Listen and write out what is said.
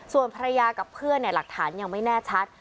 ส่วนภรรยากับเพื่อนหลักฐานยังไม่แน่ชัด